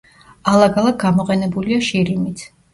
ალაგ-ალაგ გამოყენებულია შირიმიც.